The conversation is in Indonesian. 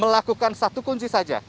melakukan satu kunci saja